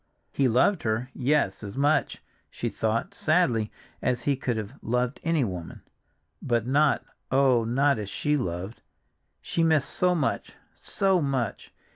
He loved her—yes, as much, she thought, sadly, as he could have loved any woman, but not, oh, not as she loved! She missed so much, so much!